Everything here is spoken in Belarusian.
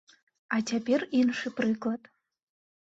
А цяпер іншы прыклад.